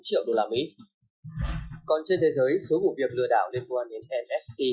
còn trên thế giới số vụ việc lừa đảo liên quan đến msk